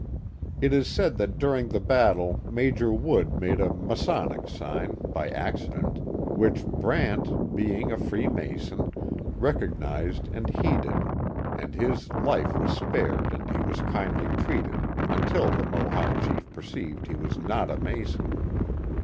It is said that during the battle Major Wood made a Ma sonic sign, by accident, which Brant, being a Free Mason, recognized and heeded, and his life was spared and he was kindly treated, until the Mohawk chief perceived he was not a Mason.